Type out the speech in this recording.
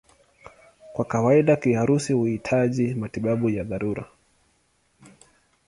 Kwa kawaida kiharusi huhitaji matibabu ya dharura.